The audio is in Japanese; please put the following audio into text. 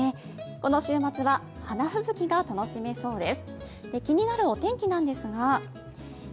この週末は花吹雪が楽しめそうです。